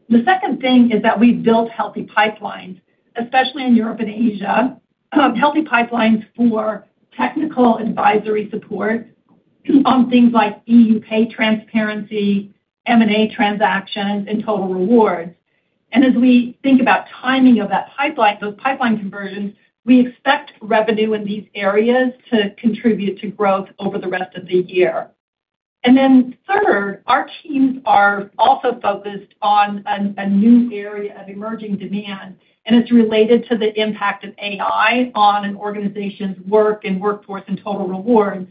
The second thing is that we've built healthy pipelines, especially in Europe and Asia, healthy pipelines for technical advisory support on things like EU Pay Transparency Directive, M&A transactions, and total rewards. As we think about timing of that pipeline, those pipeline conversions, we expect revenue in these areas to contribute to growth over the rest of the year. Third, our teams are also focused on a new area of emerging demand, and it's related to the impact of AI on an organization's work and workforce and total rewards.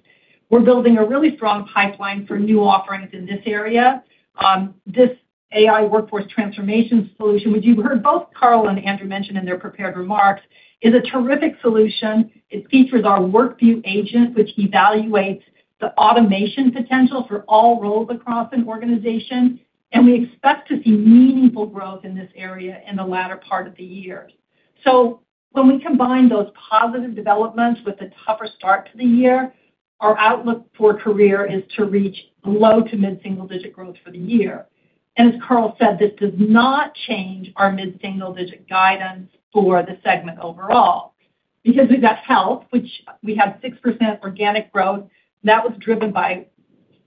We're building a really strong pipeline for new offerings in this area. This AI workforce transformation solution, which you heard both Carl and Andrew mention in their prepared remarks, is a terrific solution. It features our WorkVue agent, which evaluates the automation potential for all roles across an organization, and we expect to see meaningful growth in this area in the latter part of the year. When we combine those positive developments with a tougher start to the year, our outlook for career is to reach low to mid-single digit growth for the year. As Carl said, this does not change our mid-single digit guidance for the segment overall. We've got Health, which we have 6% organic growth that was driven by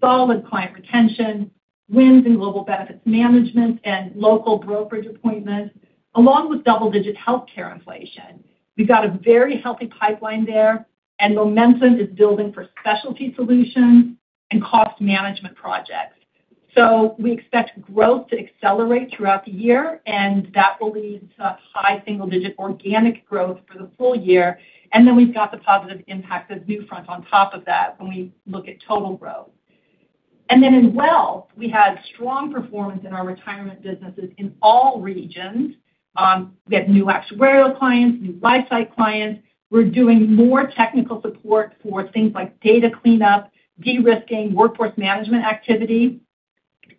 solid client retention, wins in global benefits management, and local brokerage appointments, along with double-digit healthcare inflation. We've got a very healthy pipeline there, and momentum is building for specialty solutions and cost management projects. We expect growth to accelerate throughout the year, and that will lead to high single-digit organic growth for the full year. We've got the positive impact of Newfront on top of that when we look at total growth. In Wealth, we had strong performance in our retirement businesses in all regions. We have new actuarial clients, new life site clients. We're doing more technical support for things like data cleanup, de-risking, workforce management activity.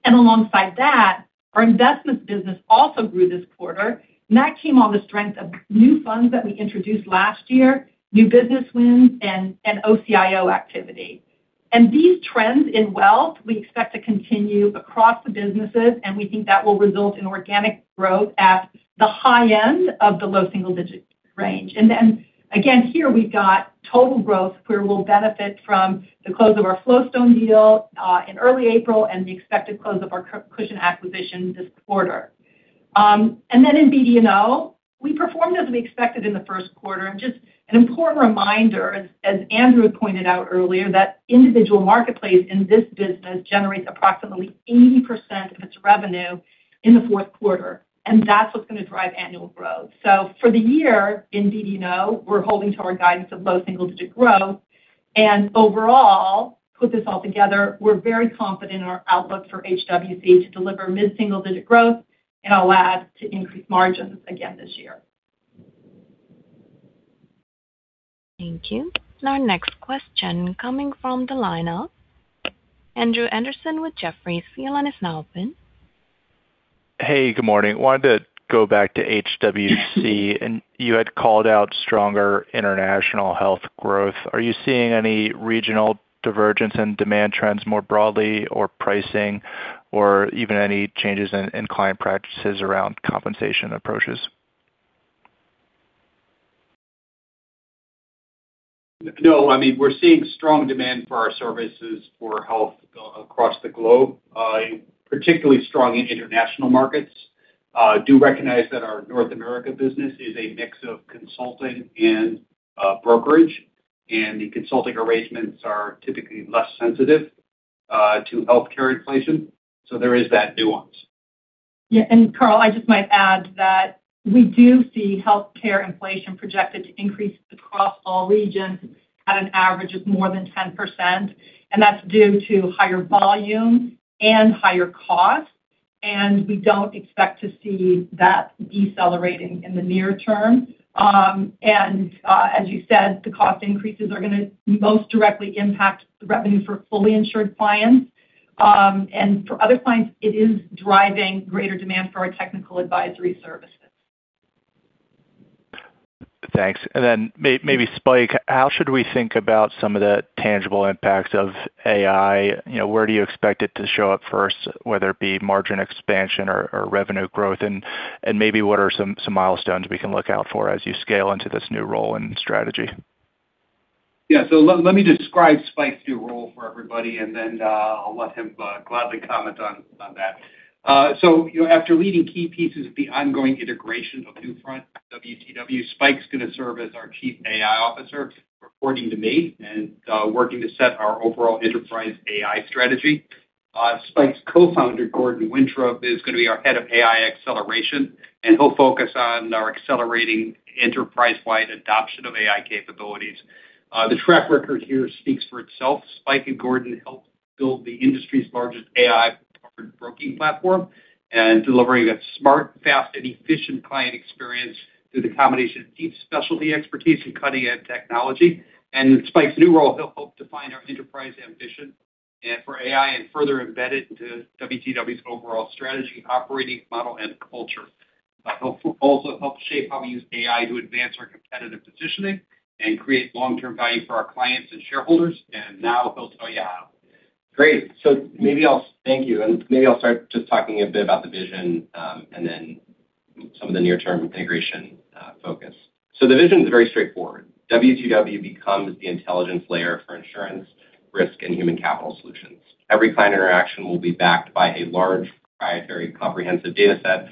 Alongside that, our investments business also grew this quarter, and that came on the strength of new funds that we introduced last year, new business wins, and OCIO activity. These trends in Wealth we expect to continue across the businesses, and we think that will result in organic growth at the high end of the low single-digit range. Again, here we've got total growth where we'll benefit from the close of our FlowStone deal in early April and the expected close of our Cushon acquisition this quarter. Then in BD&O, we performed as we expected in the first quarter. Just an important reminder, as Andrew pointed out earlier, that individual marketplace in this business generates approximately 80% of its revenue in the fourth quarter, and that's what's going to drive annual growth. For the year in BD&O, we're holding to our guidance of low single-digit growth. Overall, put this all together, we're very confident in our outlook for HWC to deliver mid-single digit growth and allow us to increase margins again this year. Thank you. Our next question coming from the line of Andrew Andersen with Jefferies. Your line is now open. Hey, good morning. Wanted to go back to HWC. You had called out stronger international health growth. Are you seeing any regional divergence in demand trends more broadly or pricing or even any changes in client practices around compensation approaches? No. I mean, we're seeing strong demand for our services for Health across the globe, particularly strong in international markets. Do recognize that our North America business is a mix of consulting and brokerage, and the consulting arrangements are typically less sensitive to healthcare inflation. There is that nuance. Yeah. Carl, I just might add that we do see healthcare inflation projected to increase across all regions at an average of more than 10%, and that's due to higher volume and higher cost, and we don't expect to see that decelerating in the near term. As you said, the cost increases are gonna most directly impact the revenue for fully insured clients. For other clients, it is driving greater demand for our technical advisory services. Thanks. Maybe Spike, how should we think about some of the tangible impacts of AI? You know, where do you expect it to show up first, whether it be margin expansion or revenue growth? Maybe what are some milestones we can look out for as you scale into this new role and strategy? Let me describe Spike's new role for everybody, and then I'll let him gladly comment on that. You know, after leading key pieces of the ongoing integration of Newfront at WTW, Spike's gonna serve as our Chief AI Officer, reporting to me and working to set our overall enterprise AI strategy. Spike's co-founder, Gordon Wintrob, is gonna be our Head of AI Acceleration, and he'll focus on our accelerating enterprise-wide adoption of AI capabilities. The track record here speaks for itself. Spike and Gordon helped build the industry's largest AI-powered broking platform and delivering a smart, fast and efficient client experience through the combination of deep specialty expertise and cutting-edge technology. In Spike's new role, he'll help define our enterprise ambition for AI and further embed it into WTW's overall strategy, operating model and culture. He'll also help shape how we use AI to advance our competitive positioning and create long-term value for our clients and shareholders. Now he'll tell you how. Great. Maybe I'll Thank you. Maybe I'll start just talking a bit about the vision, and then some of the near-term integration focus. The vision is very straightforward. WTW becomes the intelligence layer for insurance, risk and human capital solutions. Every client interaction will be backed by a large proprietary comprehensive data set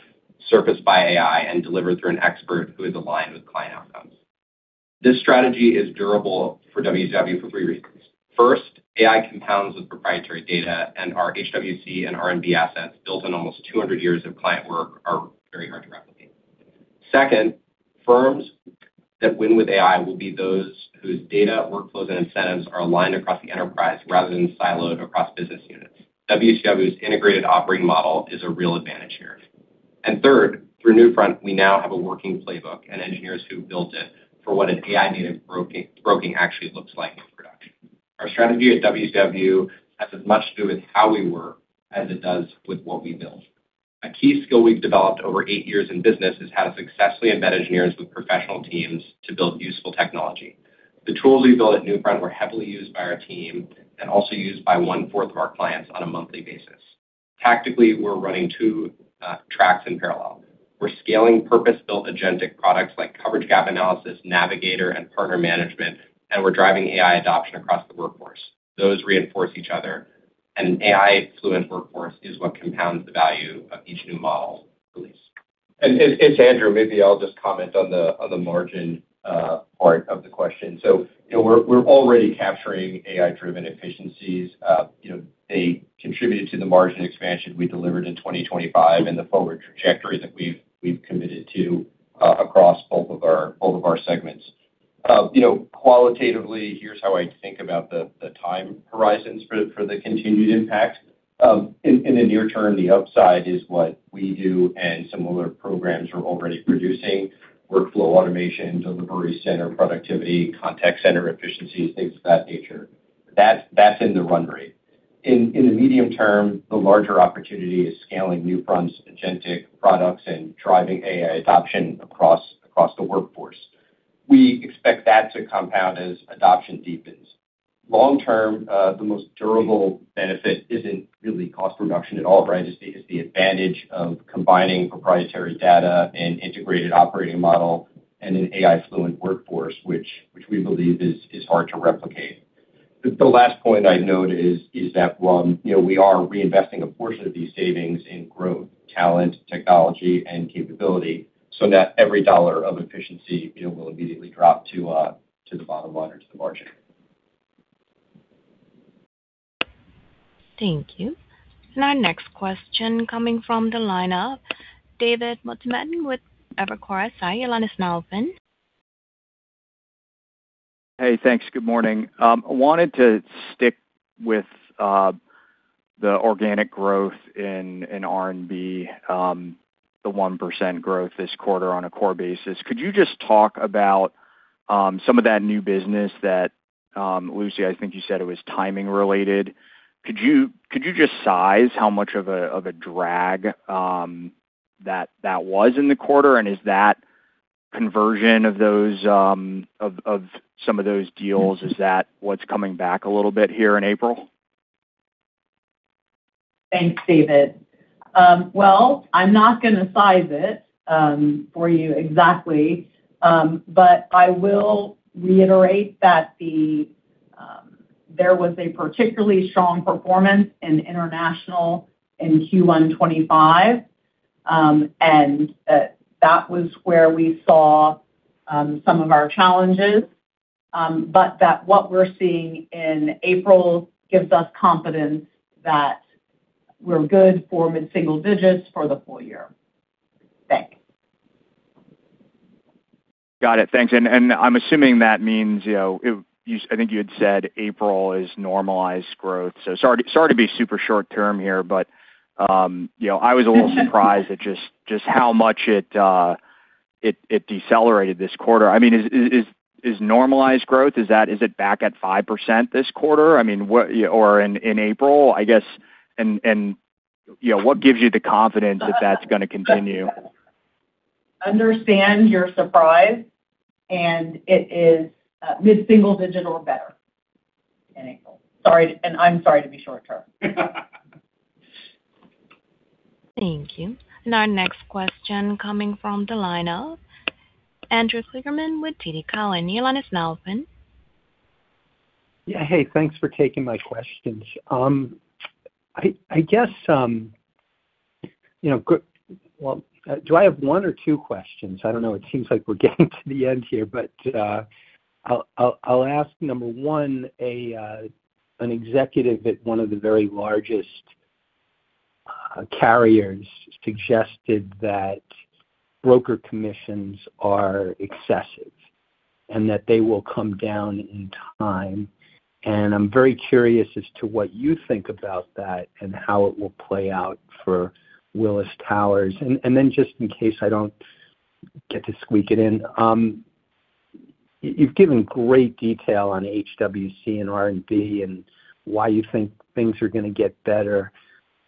surfaced by AI and delivered through an expert who is aligned with client outcomes. This strategy is durable for WTW for three reasons. First, AI compounds with proprietary data. Our HWC and R&B assets built on almost 200 years of client work are very hard to replicate. Second, firms that win with AI will be those whose data workflows and incentives are aligned across the enterprise rather than siloed across business units. WTW's integrated operating model is a real advantage here. Third, through Newfront, we now have a working playbook and engineers who built it for what an AI-native broking actually looks like in production. Our strategy at WTW has as much to do with how we work as it does with what we build. A key skill we've developed over eight years in business is how to successfully embed engineers with professional teams to build useful technology. The tools we built at Newfront were heavily used by our team and also used by 1/4 of our clients on a monthly basis. Tactically, we're running two tracks in parallel. We're scaling purpose-built agentic products like Coverage Gap Analysis, Navigator and Partner Management, and we're driving AI adoption across the workforce. Those reinforce each other. An AI-fluent workforce is what compounds the value of each new model release. It's Andrew. Maybe I'll just comment on the margin part of the question. You know, we're already capturing AI-driven efficiencies. You know, they contributed to the margin expansion we delivered in 2025 and the forward trajectory that we've committed to across both of our segments. You know, qualitatively, here's how I think about the time horizons for the continued impact. In the near term, the upside is WeDo and similar programs are already producing workflow automation, delivery center productivity, contact center efficiencies, things of that nature. That's in the run rate. In the medium term, the larger opportunity is scaling Newfront's agentic products and driving AI adoption across the workforce. We expect that to compound as adoption deepens. Long-term, the most durable benefit isn't really cost reduction at all, right? It's the advantage of combining proprietary data and integrated operating model and an AI-fluent workforce, which we believe is hard to replicate. The last point I'd note is that, you know, we are reinvesting a portion of these savings in growth, talent, technology and capability. Not every dollar of efficiency, you know, will immediately drop to the bottom line or to the margin. Thank you. Our next question coming from the line of David Motemaden with Evercore ISI. Your line is now open. Hey, thanks. Good morning. I wanted to stick with the organic growth in R&B, the 1% growth this quarter on a core basis. Could you just talk about some of that new business that Lucy, I think you said it was timing related. Could you just size how much of a drag that was in the quarter? Is that conversion of those of some of those deals, is that what's coming back a little bit here in April? Thanks, David. Well, I'm not gonna size it for you exactly. I will reiterate that there was a particularly strong performance in international in Q1 2025, and that was where we saw some of our challenges. That what we're seeing in April gives us confidence that we're good for mid-single digits for the full year. Thanks. Got it. Thanks. I'm assuming that means, you know, I think you had said April is normalized growth. Sorry to be super short term here, but, you know, I was a little surprised at just how much it decelerated this quarter. I mean, is normalized growth, is it back at 5% this quarter? I mean, what? Or in April, I guess. You know, what gives you the confidence that that's gonna continue? Understand your surprise, and it is mid-single-digit better in April. Sorry. I'm sorry to be short term. Thank you. Our next question coming from the line of Andrew Kligerman with TD Cowen. Hey, thanks for taking my questions. I guess, you know, well, do I have one or two questions? I don't know. It seems like we're getting to the end here, I'll ask number one. An executive at one of the very largest carriers suggested that broker commissions are excessive and that they will come down in time. I'm very curious as to what you think about that and how it will play out for Willis Towers. Just in case I don't get to squeak it in, you've given great detail on HWC and R&B and why you think things are gonna get better.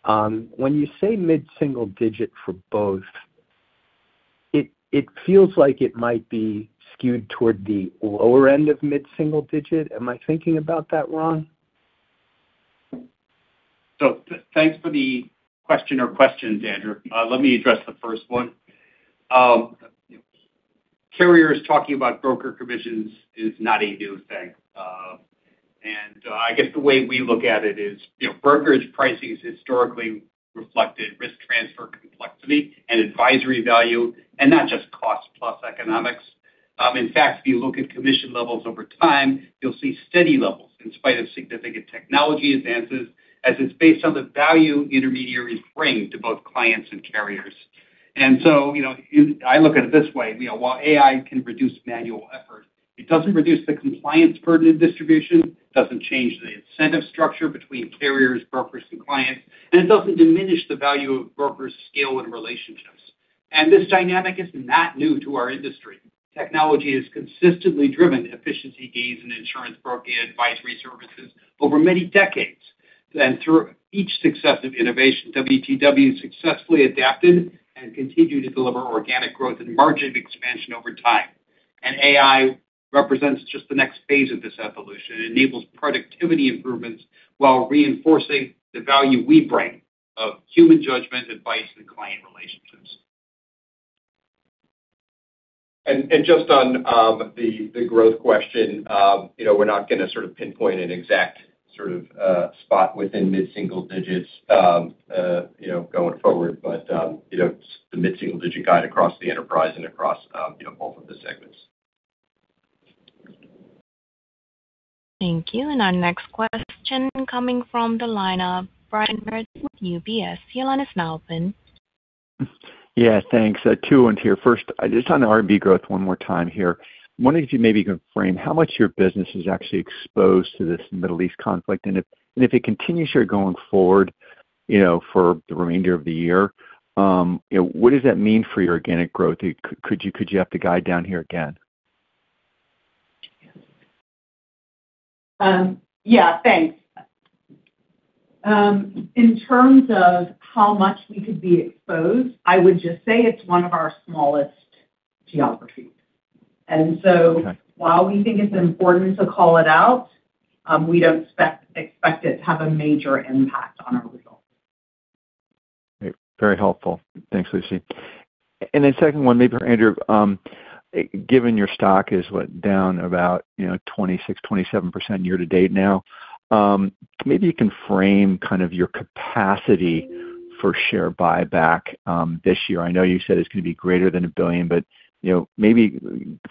When you say mid-single digit for both, it feels like it might be skewed toward the lower end of mid-single digit. Am I thinking about that wrong? Thanks for the question or questions, Andrew. Let me address the first one. Carriers talking about broker commissions is not a new thing. I guess the way we look at it is, you know, brokerage pricing has historically reflected risk transfer complexity and advisory value and not just cost plus economics. In fact, if you look at commission levels over time, you'll see steady levels in spite of significant technology advances as it's based on the value intermediaries bring to both clients and carriers. You know, I look at it this way, you know, while AI can reduce manual effort, it doesn't reduce the compliance burden of distribution, doesn't change the incentive structure between carriers, brokers and clients, and it doesn't diminish the value of brokers' scale and relationships. This dynamic is not new to our industry. Technology has consistently driven efficiency gains in insurance broker advisory services over many decades. Through each successive innovation, WTW successfully adapted and continue to deliver organic growth and margin expansion over time. AI represents just the next phase of this evolution. It enables productivity improvements while reinforcing the value we bring of human judgment, advice, and client relationships. Just on the growth question, you know, we're not gonna sort of pinpoint an exact sort of spot within mid-single digits, you know, going forward. It's the mid-single digit guide across the enterprise and across, you know, both of the segments. Thank you. Our next question coming from the line of Brian Meredith with UBS. Your line is now open. Yeah. Thanks. Two ones here. First, just on the R&B growth one more time here. I'm wondering if you maybe can frame how much your business is actually exposed to this Middle East conflict. If it continues here going forward, you know, for the remainder of the year, you know, what does that mean for your organic growth? Could you have to guide down here again? Yeah, thanks. In terms of how much we could be exposed, I would just say it's one of our smallest geographies. Okay. While we think it's important to call it out, we don't expect it to have a major impact on our results. Great. Very helpful. Thanks, Lucy. Second one, maybe for Andrew. Given your stock is, what, down about, you know, 26%-27% year to date now, maybe you can frame kind of your capacity for share buyback this year. I know you said it's gonna be greater than $1 billion, you know, maybe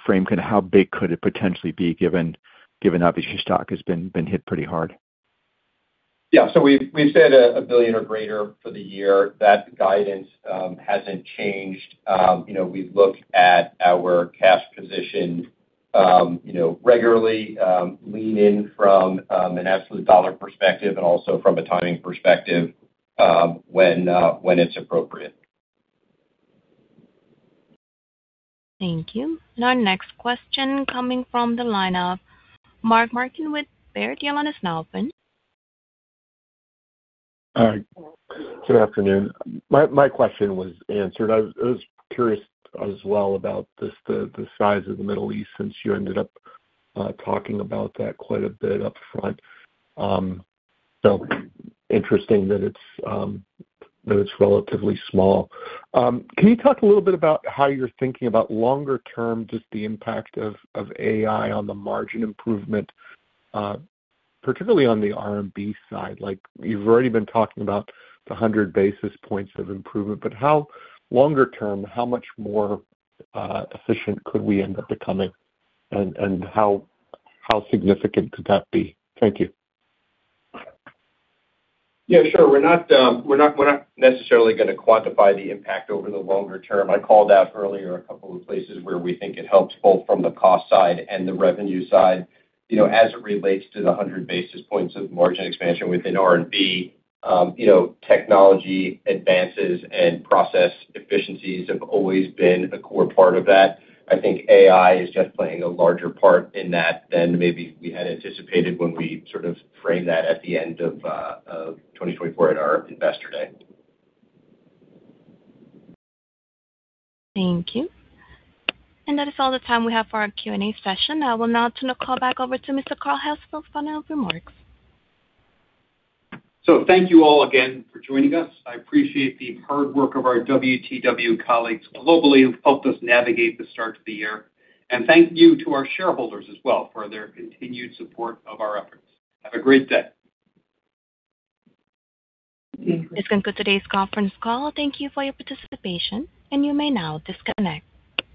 frame kind of how big could it potentially be given obviously your stock has been hit pretty hard. We've said a $1 billion or greater for the year. That guidance hasn't changed. You know, we've looked at our cash position, you know, regularly, lean in from an absolute dollar perspective and also from a timing perspective, when it's appropriate. Thank you. Our next question coming from the line of Mark Marcon with Baird. Your line is now open. Good afternoon. My question was answered. I was curious as well about the size of the Middle East, since you ended up talking about that quite a bit upfront. Interesting that it's relatively small. Can you talk a little bit about how you're thinking about longer term, just the impact of AI on the margin improvement, particularly on the R&B side? Like you've already been talking about the 100 basis points of improvement, how longer term, how much more efficient could we end up becoming and how significant could that be? Thank you. Yeah, sure. We're not necessarily gonna quantify the impact over the longer term. I called out earlier a couple of places where we think it helps both from the cost side and the revenue side. You know, as it relates to the 100 basis points of margin expansion within R&B, you know, technology advances and process efficiencies have always been a core part of that. I think AI is just playing a larger part in that than maybe we had anticipated when we sort of framed that at the end of 2024 at our Investor Day. Thank you. That is all the time we have for our Q&A session. I will now turn the call back over to Mr. Carl Hess for final remarks. Thank you all again for joining us. I appreciate the hard work of our WTW colleagues globally who've helped us navigate the start to the year. Thank you to our shareholders as well for their continued support of our efforts. Have a great day. This concludes today's conference call. Thank you for your participation, and you may now disconnect.